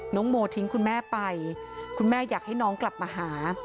น้องโมทิ้งคุณแม่ไปคุณแม่อยากให้น้องกลับมาหา